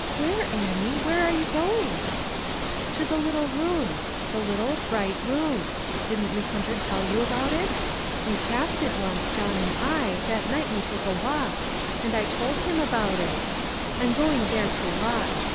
" Where, Annie ? where are you going ?" "To the little room — the little, bright room ; didn't Miss Hunter tell you about it? We passed it once, John and I, that night we took a walk, and I told him about it. I'm going there to watch.